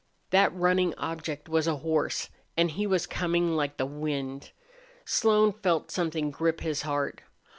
That running object was a horse and he was coming like the wind. Slone felt something grip his heart.